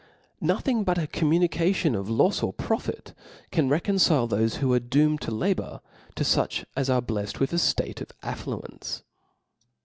Nothing hut a communication of lofsor pro&c can reconcile thofc who are doomed to labour, to fuch as are blelTed with a ftate of affluence.